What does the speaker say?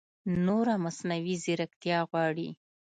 نوره مصنعوي ځېرکتیا غواړي